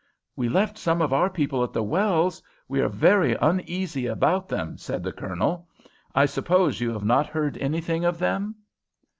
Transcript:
"We left some of our people at the wells. We are very uneasy about them," said the Colonel. "I suppose you have not heard anything of them?"